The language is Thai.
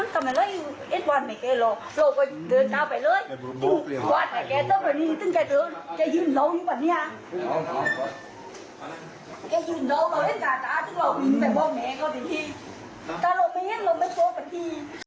กล้องลบไปโชว์พอดี